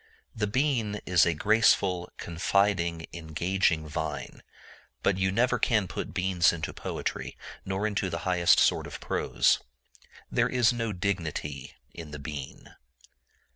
The bean is a graceful, confiding, engaging vine; but you never can put beans into poetry, nor into the highest sort of prose. There is no dignity in the bean.